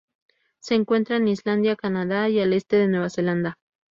Se encuentra en Islandia Canadá y al este de Nueva Zelanda.